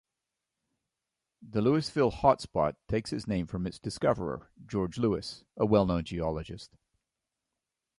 The Louisville hotspot takes its name from its discoverer, George Louis, a well-known geologist.